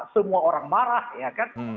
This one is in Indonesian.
semua orang marah ya kan